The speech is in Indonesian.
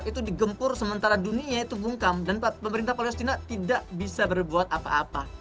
itu digempur sementara dunia itu bungkam dan pemerintah palestina tidak bisa berbuat apa apa